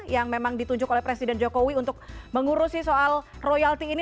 yang memang ditunjuk oleh presiden jokowi untuk mengurusi soal royalti ini